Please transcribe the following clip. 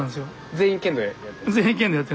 全員剣道やって。